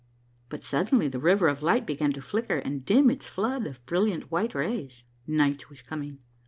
But suddenly the River of Liglit began to flicker and dim its flood of brilliant white rays. Night was coming.